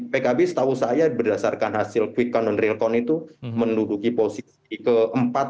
pkb setahu saya berdasarkan hasil quick count dan real count itu menduduki posisi keempat